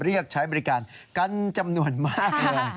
เรียกใช้บริการกันจำนวนมากเลย